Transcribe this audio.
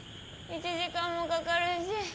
１時間もかかるし！